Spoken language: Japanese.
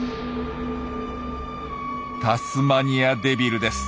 タスマニアデビルです。